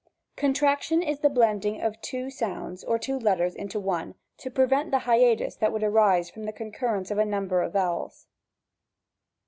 Contraction is the blending of two sounds or two letters into one, to prevent the hiatus that would arise from the concurrence of a number of vowels.